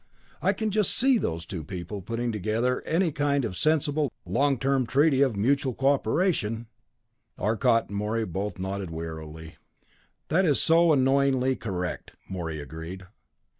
I can just see those two peoples getting together and settling any kind of sensible, long term treaty of mutual cooperation!" Arcot and Morey both nodded wearily. "That is so annoyingly correct," Morey agreed.